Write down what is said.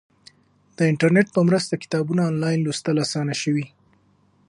د انټرنیټ په مرسته کتابونه آنلاین لوستل اسانه شوي.